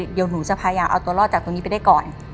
เดี๋ยวหนูจะพยายามเอาตัวรอดจากตรงนี้ไปได้ก่อน